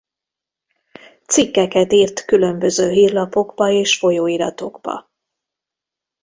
Cikkeket írt különböző hírlapokba és folyóiratokba.